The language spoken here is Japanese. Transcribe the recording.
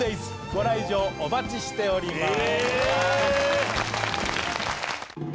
ご来場お待ちしております。